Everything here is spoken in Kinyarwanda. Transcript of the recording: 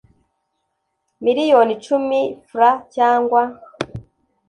Miliyoni icumi frw cyangwa